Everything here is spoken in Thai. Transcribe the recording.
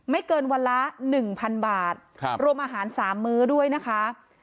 เกินวันละ๑๐๐บาทรวมอาหาร๓มื้อด้วยนะคะ